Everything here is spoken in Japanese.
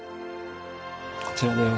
こちらです。